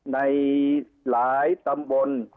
ในหลายตำบล